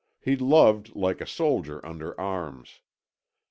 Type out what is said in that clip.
He loved like a soldier under arms.